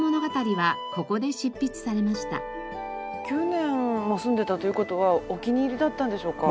９年も住んでいたという事はお気に入りだったんでしょうか？